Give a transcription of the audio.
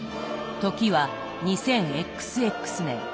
時は２０ＸＸ年。